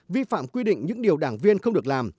vi phạm quy định những điều đảng viên không được làm